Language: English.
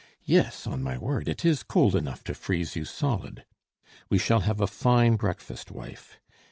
"Yes, on my word, it is cold enough to freeze you solid. We shall have a fine breakfast, wife.